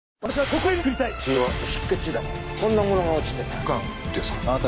こんなものが落ちてた。